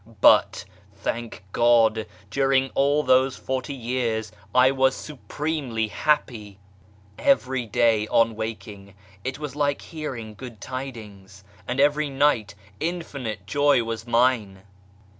But, thank 'God, during all those forty years I was supremely happy 1 Every day, on waking, it was like hearing good tidings, and every night infinite joy was mine.